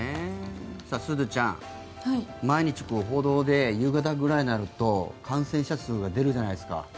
すずちゃん毎日報道で夕方ぐらいになると感染者数が出るじゃないですか。